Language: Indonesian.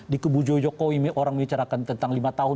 di kebujo jokowi orang membicarakan tentang lima tahun